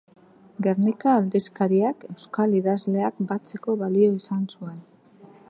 Gernika aldizkariak euskal idazleak batzeko balio izan zuen.